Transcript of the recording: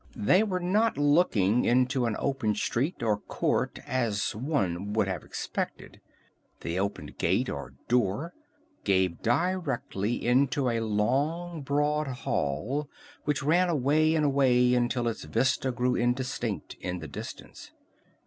They were not looking into an open street or court as one would have expected. The opened gate, or door, gave directly into a long, broad hall which ran away and away until its vista grew indistinct in the distance.